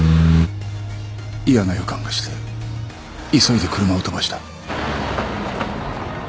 嫌な予感がして急いで車を飛ばした。